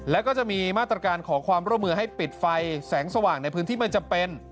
แล้วก็จะมีมาตรการขอความร่วมมือให้ปิดไฟแสงสว่างในพื้นที่ไม่จำเป็น